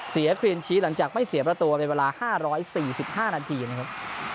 เกลียนชี้หลังจากไม่เสียประตูเป็นเวลา๕๔๕นาทีนะครับ